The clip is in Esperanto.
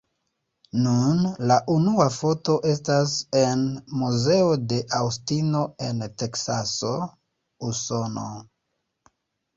Nun la unua foto estas en muzeo de Aŭstino en Teksaso, Usono.